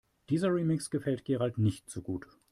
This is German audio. Dieser Remix gefällt Gerald nicht so gut.